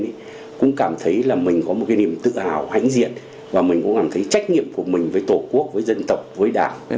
thì cũng cảm thấy là mình có một cái niềm tự hào hãnh diện và mình cũng cảm thấy trách nhiệm của mình với tổ quốc với dân tộc với đảng